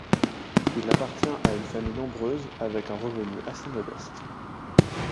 Il appartient à une famille nombreuse avec un revenu assez modeste.